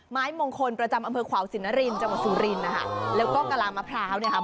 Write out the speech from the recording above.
ไม้มงคลประจำอำเภอขวาวสินนรินจังหวัดสุรินทร์นะคะแล้วก็กะลามะพร้าวเนี่ยค่ะ